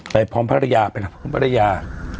ไปพร้อมภรรยาไปเผ็ดพร้อมภรรยา